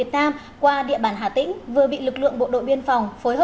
năm hai nghìn một mươi hai khẳng định